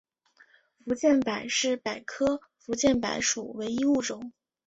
福建柏是柏科福建柏属唯一物种。